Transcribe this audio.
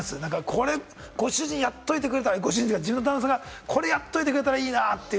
これ、ご主人やっといてくれたら、ご主人というか、自分の旦那さんがやってくれてたらいいなという。